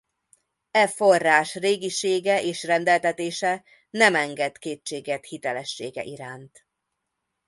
E forrás régisége és rendeltetése nem enged kétséget hitelessége iránt.